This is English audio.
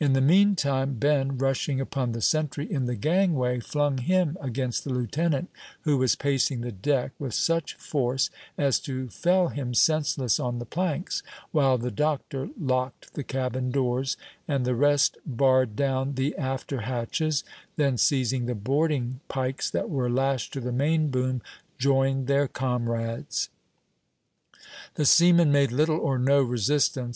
In the mean time Ben, rushing upon the sentry in the gangway, flung him against the lieutenant, who was pacing the deck, with such force as to fell him senseless on the planks, while the doctor locked the cabin doors, and the rest barred down the after hatches, then, seizing the boarding pikes that were lashed to the main boom, joined their comrades. The seamen made little or no resistance.